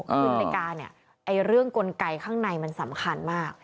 คืออเมริกาเนี่ยเรื่องกลไกข้างในมันสำคัญมาก